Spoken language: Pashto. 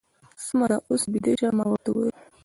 سمه ده، اوس بېده شه. ما ورته وویل.